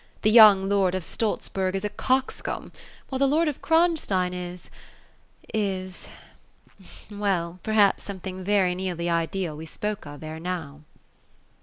The young lord of Stolzbcrg is a coxcomb ; while the lord of Kronstein is — is — well, perhaps something very near the ideal we spoke of, ere now."